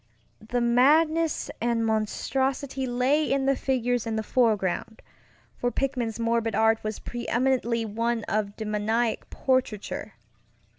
The madness and monstrosity lay in the figures in the foregroundŌĆöfor Pickman's morbid art was preeminently one of demoniac portraiture.